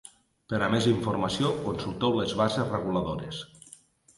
Per a més informació, consulteu les bases reguladores.